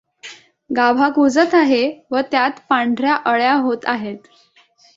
गाभा कुजत आहे व त्यात पांढर्या अळ्या होत आहेत.